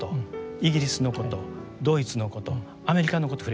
イギリスのことドイツのことアメリカのこと触れました。